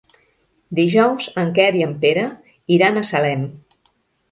Dijous en Quer i en Pere iran a Salem.